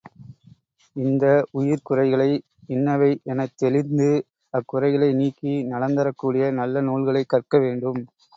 இந்த உயிர்க்குறைகளை இன்னவை எனத் தெளிந்து அக்குறைகளை நீக்கி நலந்தரக் கூடிய நல்ல நூல்களைக் கற்க வேண்டும்.